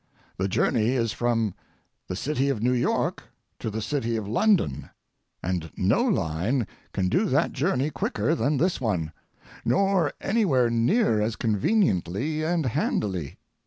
The journey is from the city of New York to the city of London, and no line can do that journey quicker than this one, nor anywhere near as conveniently and handily.